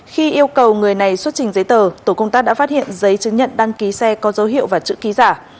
khi yêu cầu người này xuất trình giấy tờ tổ công tác đã phát hiện giấy chứng nhận đăng ký xe có dấu hiệu và chữ ký giả